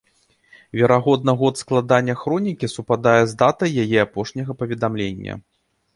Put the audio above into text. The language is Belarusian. Верагодна год складання хронікі супадае з датай яе апошняга паведамлення.